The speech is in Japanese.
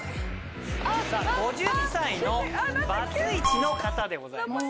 ５０歳のバツイチの方でございます。